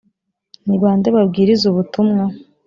ni ba nde babwiriza ubutumwa